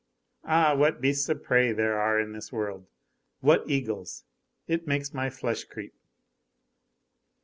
Ah! what beasts of prey there are in this world! What eagles! It makes my flesh creep."